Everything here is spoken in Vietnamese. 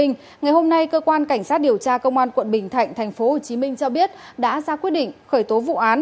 ngày hôm nay cơ quan cảnh sát điều tra công an quận bình thạnh tp hcm cho biết đã ra quyết định khởi tố vụ án